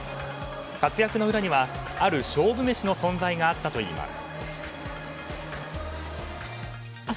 活躍の裏にはある勝負飯の存在があったといいます。